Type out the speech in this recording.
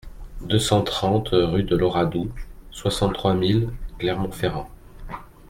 deux cent trente rue de l'Oradou, soixante-trois mille Clermont-Ferrand